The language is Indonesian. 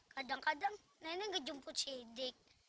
kadang kadang nenek gak jemput siddiq